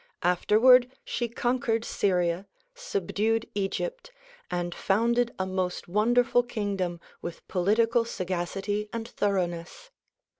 Afterward she conquered Syria, subdued Egypt and founded a most wonderful kingdom with political sagacity and thoroughness.